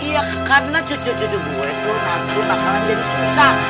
iya karena cucu cucu gue itu nanti bakalan jadi susah